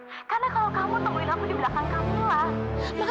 karena kalau kamu temui aku di belakang kamu lah